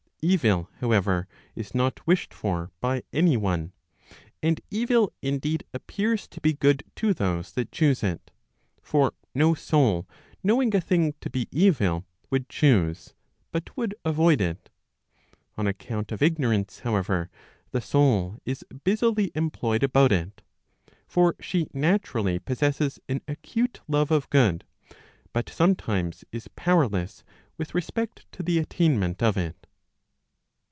Evil, however, is not wished for by any one. And evil indeed appears to be good to those that choose it; for no soul knowing a thing to be evil would choose, but would avoid it. On account of ignorance, however, the soul is busily employed about it; for she naturally possesses an acute love of good, but sometimes is powerless with respect to the attainment of it.